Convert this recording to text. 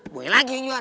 gue lagi yang juara